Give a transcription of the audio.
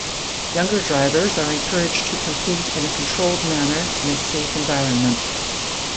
Younger drivers are encouraged to compete in a controlled manner in a safe environment.